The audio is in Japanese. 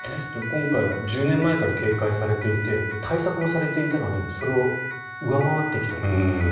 今回は１０年前から警戒されていて対策もされていたのにそれを上回ってきたという。